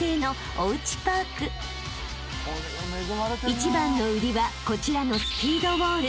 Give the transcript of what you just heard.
［一番の売りはこちらのスピードウォール］